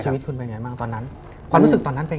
ชีวิตคุณเป็นไงบ้างตอนนั้น